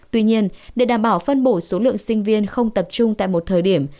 tuy nhiên để đảm bảo phân bổ số lượng sinh viên không tập trung tại một thời điểm